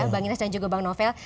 bang ines dan juga bang novel